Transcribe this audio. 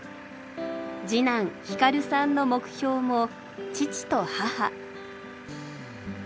次男光さんの目標も父と母。